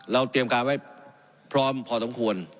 เราเตรียมการไว้พร้อมพอต้องควร